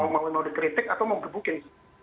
mau mau dikritik atau mau dikebukin